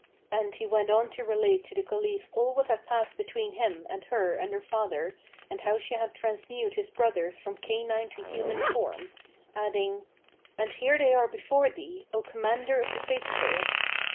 And he went on to relate to the Caliph all what had passed between him and her and her father and how she had transmewed his brothers from canine to human form, adding, "And here they are before thee, O Commander of the Faithful!"